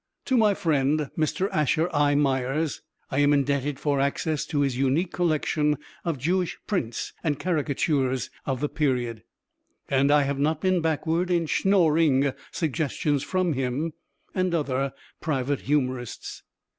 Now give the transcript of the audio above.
To my friend, Mr. Asher I. Myers, I am indebted for access to his unique collection of Jewish prints and caricatures of the period, and I have not been backward in_ SCHNORRING _suggestions from him and other private humourists.